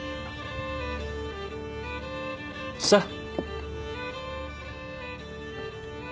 さあ。